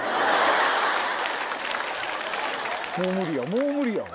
もう無理やわ。